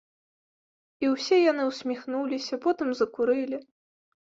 І ўсе яны ўсміхнуліся, потым закурылі.